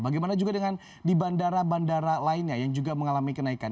bagaimana juga dengan di bandara bandara lainnya yang juga mengalami kenaikan